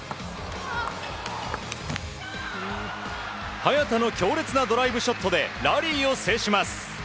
早田の強烈なドライブショットでラリーを制します。